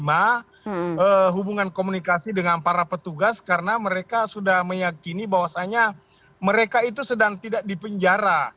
menerima hubungan komunikasi dengan para petugas karena mereka sudah meyakini bahwasannya mereka itu sedang tidak dipenjara